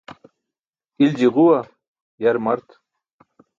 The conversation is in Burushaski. Ilji ġuwa, yar mart.